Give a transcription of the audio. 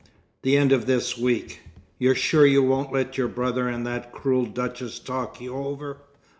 "The end of this week. You're sure you won't let your brother and that cruel Duchess talk you over?